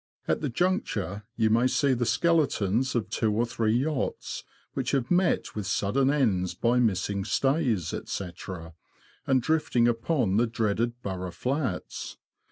At the juncture you may see the skeletons of two or three yachts which have met with sudden ends by missing stays, &c., and drifting upon the dreaded Burgh Flats.